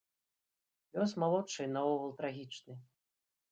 Лёс малодшай наогул трагічны.